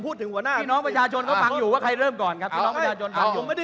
พี่น้องประชาชนก็ฟังอยู่ว่าใครเริ่มก่อนครับ